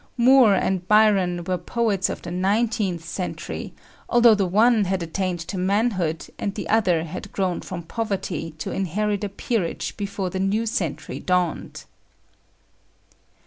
Moore and Byron were poets of the nineteenth century, although the one had attained to manhood and the other had grown from poverty to inherit a peerage before the new century dawned.